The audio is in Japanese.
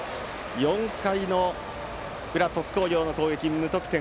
４回の裏、鳥栖工業の攻撃は無得点。